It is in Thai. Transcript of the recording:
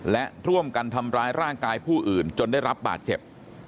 และร่วมกันทำร้ายร่างกายผู้อื่นจนได้รับบาดเจ็บ